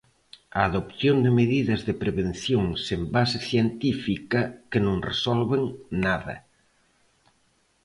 "A adopción de medidas de prevención sen base científica que non resolven nada".